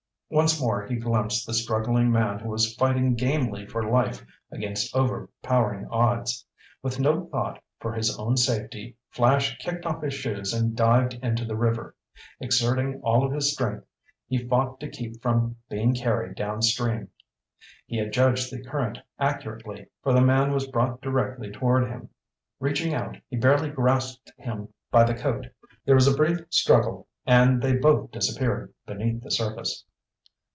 Once more he glimpsed the struggling man who was fighting gamely for life against overpowering odds. With no thought for his own safety, Flash kicked off his shoes and dived into the river. Exerting all of his strength, he fought to keep from being carried downstream. He had judged the current accurately, for the man was brought directly toward him. Reaching out, he barely grasped him by the coat. There was a brief struggle and they both disappeared beneath the surface.